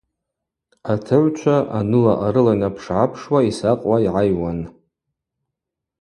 Атыгӏвчва, аныла-арыла йнапшгӏапшуа йсакъуа йгӏайуан.